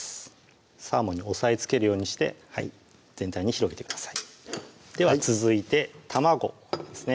サーモンに押さえつけるようにして全体に広げてくださいでは続いて卵ですね